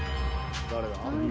誰だ？